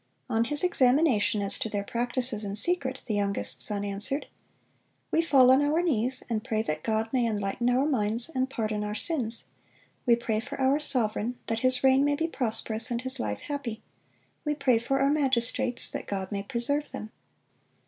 On his examination as to their practices in secret, the youngest son answered, "We fall on our knees, and pray that God may enlighten our minds and pardon our sins; we pray for our sovereign, that his reign may be prosperous and his life happy; we pray for our magistrates, that God may preserve them."